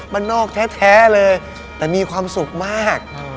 มันนอกตัวแท้แต่มีความสุขมาก